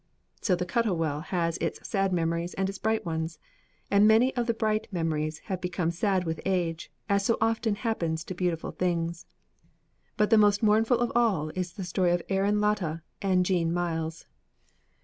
So the Cuttle Well has its sad memories and its bright ones, and many of the bright memories have become sad with age, as so often happens to beautiful things, but the most mournful of all is the story of Aaron Latta and Jean Myles.